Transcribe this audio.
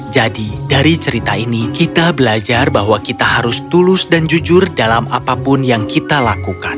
jadi dari cerita ini kita belajar bahwa kita harus tulus dan jujur dalam apapun yang kita lakukan